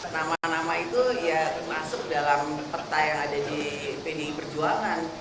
nama nama itu ya termasuk dalam peta yang ada di pdi perjuangan